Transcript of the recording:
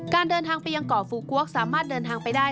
เดินทางไปยังเกาะฟูกวกสามารถเดินทางไปได้